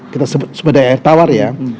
kita sebut sumber daya air tawar ya